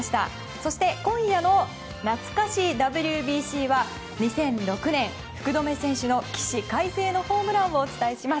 そして、今夜のなつか史ＷＢＣは２００６年、福留選手の起死回生のホームランをお伝えします。